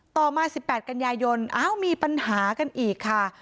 ต่อมา๑๘กันยายนอ้าวมีปัญหากันอีกค่ะ